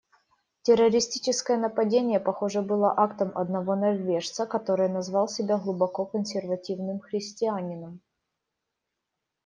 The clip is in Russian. Террористическое нападение, похоже, было актом одного норвежца, который назвал себя глубоко консервативным христианином.